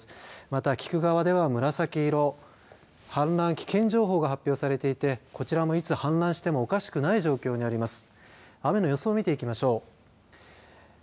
また菊川では紫色氾濫危険情報が発表されていてこちらも、いつ氾濫してもおかしくない状況にあります。